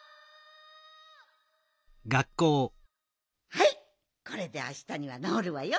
はいこれであしたにはなおるわよ。